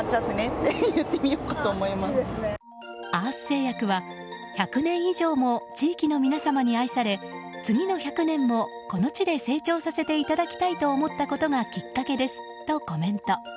アース製薬は、１００年以上も地域の皆様に愛され次の１００年も、この地で成長させていただきたいと思ったことがきっかけですとコメント。